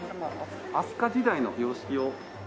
飛鳥時代の様式を。